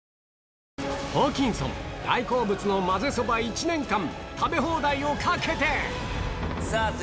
ホーキンソン大好物のまぜそば１年間食べ放題を懸けて！